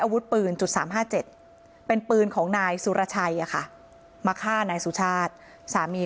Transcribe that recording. อาวุธปืน๓๕๗เป็นปืนของนายสุรชัยมาฆ่านายสุชาติสามี